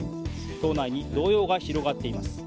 党内に動揺が広がっています。